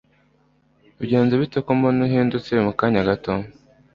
bigenze bite ko mbona uhindutse mukanya gato!